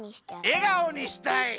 えがおにしたい。